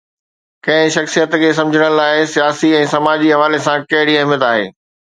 ڪنهن شخصيت کي سمجهڻ لاءِ سياسي ۽ سماجي حوالي سان ڪهڙي اهميت آهي؟